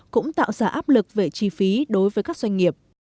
cũng tạo ra áp lực về chi phí đối với các doanh nghiệp